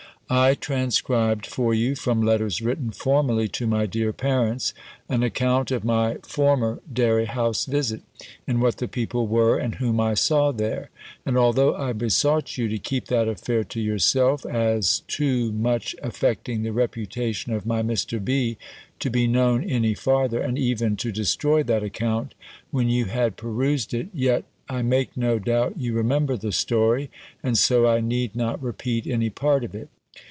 I transcribed for you, from letters written formerly to my dear parents, an account of my former dairy house visit, and what the people were, and whom I saw there; and although I besought you to keep that affair to yourself, as too much affecting the reputation of my Mr. B. to be known any farther, and even to destroy that account, when you had perused it; yet, I make no doubt, you remember the story, and so I need not repeat any part of it.